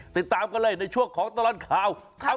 ติดตามกันเลยในช่วงของตลอดข่าว